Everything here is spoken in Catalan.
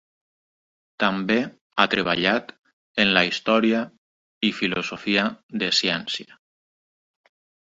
També ha treballat en la història i filosofia de ciència.